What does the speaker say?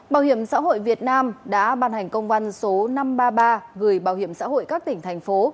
bảo hiểm xã hội việt nam đã ban hành công văn số năm trăm ba mươi ba gửi bảo hiểm xã hội các tỉnh thành phố